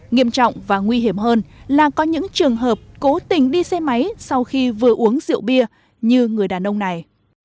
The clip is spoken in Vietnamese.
nghiêm trọng và nguy hiểm hơn là có những trường hợp cố tình đi xe máy sau khi vừa uống rượu bia như người đàn ông này